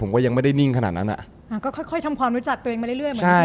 ว่ายังไม่ได้นิ่งขนาดนั้นอ่ะอ่าก็ค่อยค่อยทำความรู้จักตัวเองไปเรื่อยเหมือนกัน